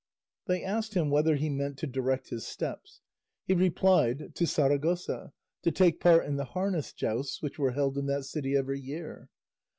They asked him whither he meant to direct his steps. He replied, to Saragossa, to take part in the harness jousts which were held in that city every year.